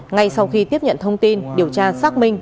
ngay sau khi tiếp nhận thông tin điều tra xác minh